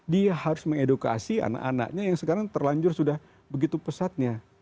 dia harus mengedukasi anak anaknya yang sekarang terlanjur sudah begitu pesatnya